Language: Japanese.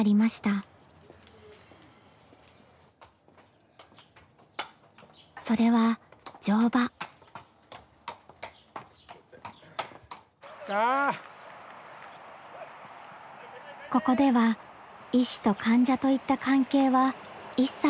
ここでは医師と患者といった関係は一切ありません。